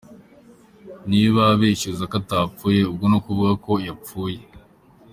Niba abeshyuza ko atapfuye ubwo ni ukuvuga ko yapfuye.